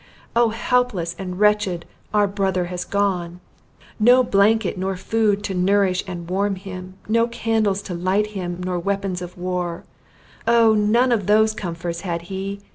Oh helpless and wretched, our brother has gone! No blanket nor food to nourish and warm him; nor candles to light him, nor weapons of war: Oh, none of those comforts had he!